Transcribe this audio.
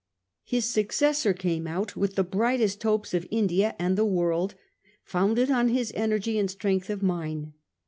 His successor came out with the brightest hopes of India and the world, founded on his energy and strength of mind.